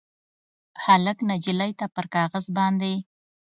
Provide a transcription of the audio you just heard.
هلک نجلۍ ته پر کاغذ باندې